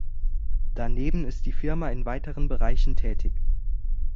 Daneben ist die Firma in weiteren Bereichen tätig.